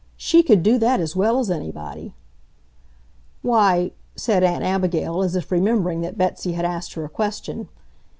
She could do that as well as anybody! "Why," said Aunt Abigail, as if remembering that Betsy had asked her a question.